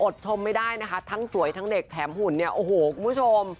ชมไม่ได้นะคะทั้งสวยทั้งเด็กแถมหุ่นเนี่ยโอ้โหคุณผู้ชม